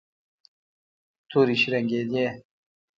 تورې شرنګېدې.